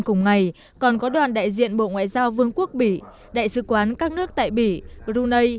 cùng ngày còn có đoàn đại diện bộ ngoại giao vương quốc bỉ đại sứ quán các nước tại bỉ brunei